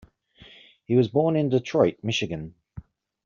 Was was born in Detroit, Michigan.